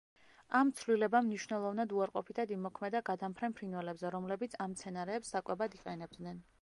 ამ ცვლილებამ მნიშვნელოვნად უარყოფითად იმოქმედა გადამფრენ ფრინველებზე, რომლებიც ამ მცენარეებს საკვებად იყენებდნენ.